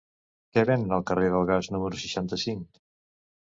Què venen al carrer del Gas número seixanta-cinc?